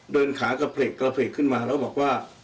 เดินขากระเพลกขึ้นมาแล้วบอกว่า